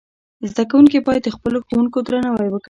زدهکوونکي باید د خپلو ښوونکو درناوی وکړي.